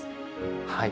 はい。